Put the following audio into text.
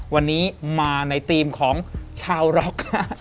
วันนี้มาในธีมของชาวร็อกค่ะ